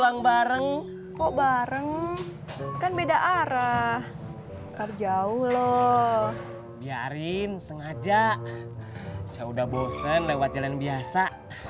bareng bareng kok bareng kan beda arah terjauh loh biarin sengaja sudah bosen lewat jalan biasa